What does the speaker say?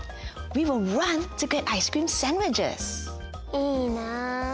いいなあ。